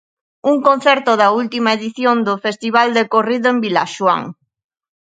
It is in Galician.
Un concerto da última edición do festival decorrido en Vilaxoán.